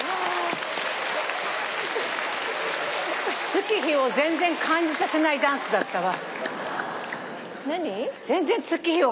月日を全然感じさせないダンスだったわ。